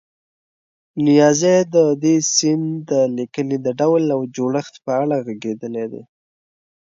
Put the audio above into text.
نیازی د دې سیند د لیکنې د ډول او جوړښت په اړه غږېدلی دی.